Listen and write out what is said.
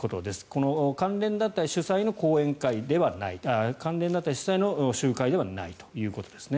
この関連団体の主催の講演会ではない関連団体主催の集会ではないということです。